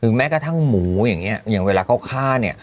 ถึงแม้กระทั่งหมูอย่างนี้อย่างเวลาเขาฆ่า